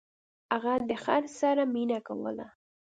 هغه د خر سره مینه کوله.